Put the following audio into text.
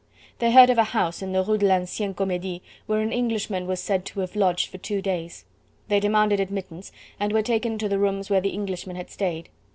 They heard of a house in the Rue de l'Ancienne Comedie where an Englishmen was said to have lodged for two days. They demanded admittance, and were taken to the rooms where the Englishman had stayed.